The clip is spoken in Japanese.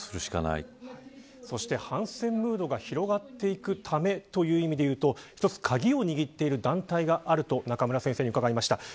そして反戦ムードが広がっている目という意味でいうと一つ、鍵を握っている団体があると中村先生に伺いました。